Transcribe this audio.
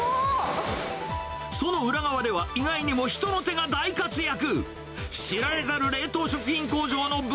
その裏側では、意外にも人の手が大活躍。